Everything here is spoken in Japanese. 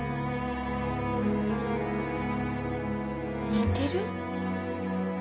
似てる？